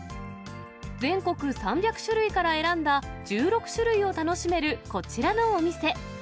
全国３００種類から選んだ１６種類を楽しめるこちらのお店。